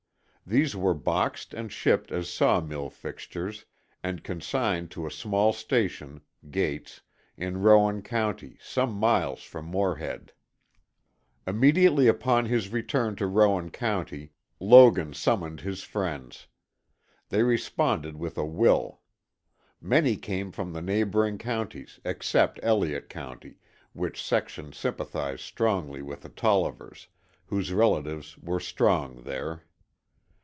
These were boxed and shipped as saw mill fixtures, and consigned to a small station (Gate's) in Rowan County, some miles from Morehead. Immediately upon his return to Rowan County Logan summoned his friends. They responded with a will. Many came from the neighboring counties, except Elliott County, which section sympathized strongly with the Tollivers, whose relatives were strong there.